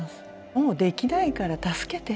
もうできないから助けて。